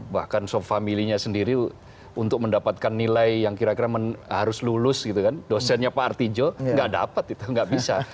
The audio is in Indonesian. bahkan soft familinya sendiri untuk mendapatkan nilai yang kira kira harus lulus gitu kan dosennya pak artijo nggak dapat itu nggak bisa